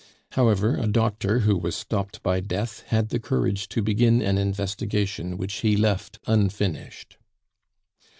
However, a doctor who was stopped by death had the courage to begin an investigation which he left unfinished.